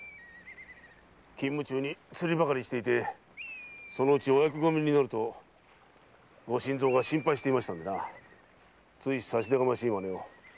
勤務中に釣りばかりしていてそのうちお役御免になるとご新造が心配していましたのでなつい差し出がましい真似を。